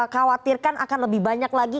khawatirkan akan lebih banyak lagi